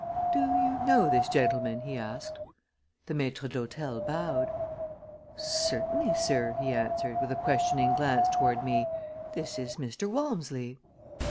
"Do you know this gentleman?" he asked. The maître d'hôtel bowed. "Certainly, sir," he answered, with a questioning glance toward me. "This is Mr. Walmsley."